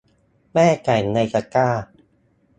แม่ไก่อยู่ในตะกร้า